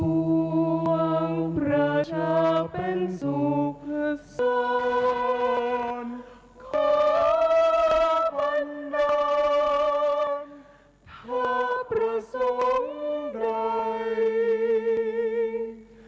ภูวังประชาเป็นสุขศาลขอปัญญาถ้าประสงค์ใด